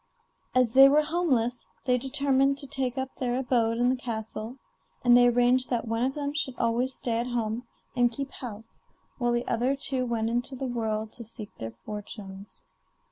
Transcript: As they were homeless they determined to take up their abode in the castle, and they arranged that one of them should always stay at home and keep house, while the other two went out into the world to seek their fortunes.